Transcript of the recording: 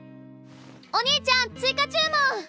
お兄ちゃん追加注文！